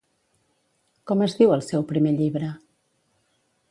Com es diu el seu primer llibre?